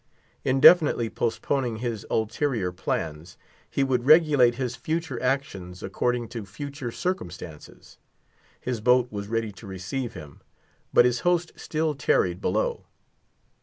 Indefinitely postponing his ulterior plans, he would regulate his future actions according to future circumstances. His boat was ready to receive him; but his host still tarried below.